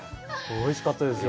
おいしかったですよ。